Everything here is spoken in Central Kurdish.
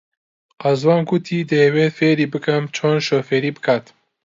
قەزوان گوتی دەیەوێت فێری بکەم چۆن شۆفێری بکات.